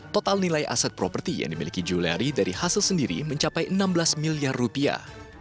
total nilai aset properti yang dimiliki juliari dari hasil sendiri mencapai enam belas miliar rupiah